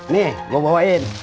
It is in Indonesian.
nih gue bawain